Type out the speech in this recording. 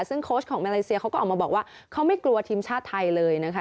ซึ่งโค้ชของมาเลเซียเขาก็ออกมาบอกว่าเขาไม่กลัวทีมชาติไทยเลยนะคะ